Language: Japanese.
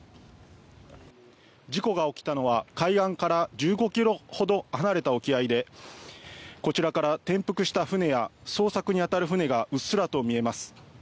事故が起きたのは海岸から１５ｋｍほど離れた沖合でこちらから転覆した船や捜索に当たる船がうっすらと見えます。